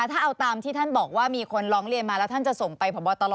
ถ้าเอาตามที่ท่านบอกว่ามีคนร้องเรียนมาแล้วท่านจะส่งไปพบตร